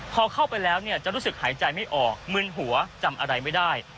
พอเข้าไปแล้วเนี่ยจะรู้สึกหายใจไม่ออกมึนหัวจำอะไรไม่ได้